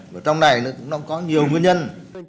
và trong này nó cũng có nhiều nguyên nhân